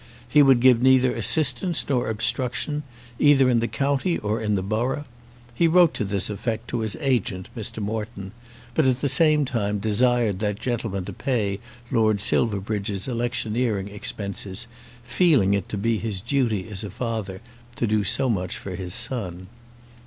He would give neither assistance nor obstruction, either in the county or in the borough. He wrote to this effect to his agent, Mr. Morton; but at the same time desired that gentleman to pay Lord Silverbridge's electioneering expenses, feeling it to be his duty as a father to do so much for his son.